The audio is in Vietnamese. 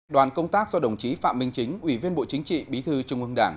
đoàn công tác do đồng chí phạm minh chính ủy viên bộ chính trị bí thư trung ương đảng